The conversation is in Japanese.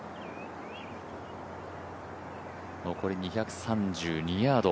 残り２３２ヤード。